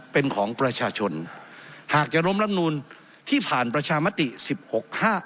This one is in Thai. เป็นของประชาชนหากจะล้มลำนูนที่ผ่านประชามติสิบหกห้า